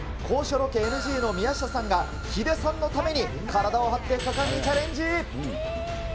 高所ロケＮＧの宮下さんが、ヒデさんのために体を張って果敢にチャレンジ。